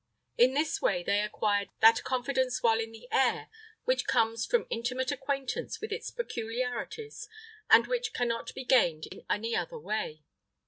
In this way they acquired that confidence while in the air which comes from intimate acquaintance with its peculiarities, and which cannot be gained in any other way.